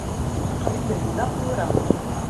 Aql-i thennaɣ tura.